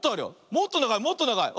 もっとながいもっとながい。